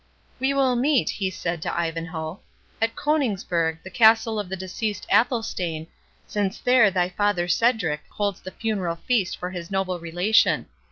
"We will meet," he said to Ivanhoe, "at Coningsburgh, the castle of the deceased Athelstane, since there thy father Cedric holds the funeral feast for his noble relation.